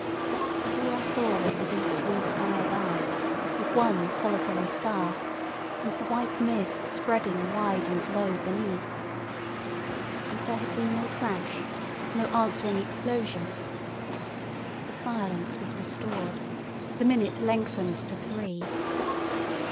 But all I saw was the deep blue sky above, with one solitary star, and the white mist spreading wide and low beneath. And there had been no crash, no answering explosion. The silence was restored; the minute lengthened to three.